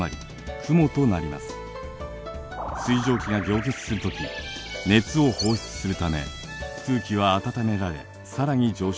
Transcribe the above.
水蒸気が凝結する時熱を放出するため空気は暖められ更に上昇します。